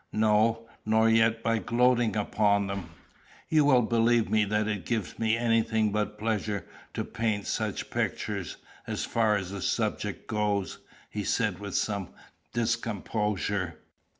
"No; nor yet by gloating upon them." "You will believe me that it gives me anything but pleasure to paint such pictures as far as the subject goes," he said with some discomposure.